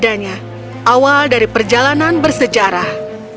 dan ini adalah cerita utama dari perjalanan bersejarah